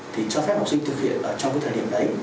thì cho phép học sinh thực hiện trong thời điểm đấy